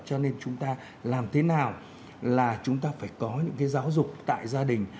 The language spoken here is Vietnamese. cho nên chúng ta làm thế nào là chúng ta phải có những cái giáo dục tại gia đình